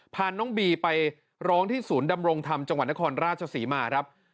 พาน้องบีไปร้องที่ศูนย์ดำรงธรรมจังหวัดนครราชศรีมาครับ